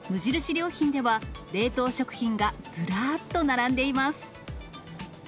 良品では、冷凍食品がずらっと並んでいます。